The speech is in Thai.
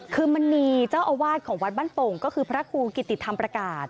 คือมันมีเจ้าอาวาสของวัดบ้านโป่งก็คือพระครูกิติธรรมประกาศ